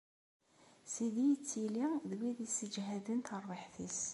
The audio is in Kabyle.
Sidi yettili d wid yesseǧhaden tarwiḥt-iw.